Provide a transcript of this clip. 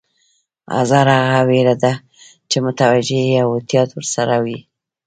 حذر هغه وېره ده چې متوجه یې او احتیاط ورسره وي.